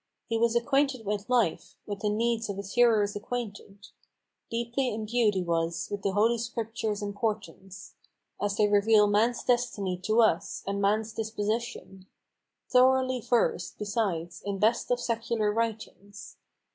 He was acquainted with life, with the needs of his hearers acquainted; Deeply imbued he was with the Holy Scriptures' importance, As they reveal man's destiny to us, and man's disposition; Thoroughly versed, besides, in best of secular writings.